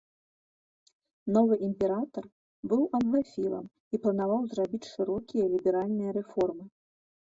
Новы імператар, быў англафілам і планаваў зрабіць шырокія ліберальныя рэформы.